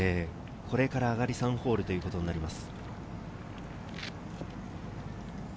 これから上がり３ホールというところにあります。